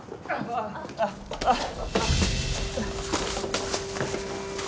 ああっあっあっ。